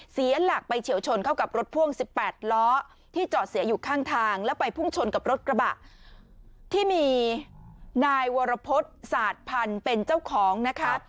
เสียหลักไปเฉียวชนเข้ากับรถพ่วง๑๘ล้อที่จอดเสียอยู่ข้างทางแล้วไปพุ่งชนกับรถกระบะที่มีนายวรพฤษศาสตร์พันธุ์เป็นเจ้าของนะคะ